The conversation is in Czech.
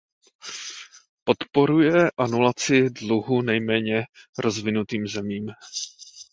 Podporuje anulaci dluhu nejméně rozvinutým zemím.